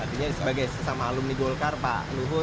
artinya sebagai sesama alumni golkar pak luhut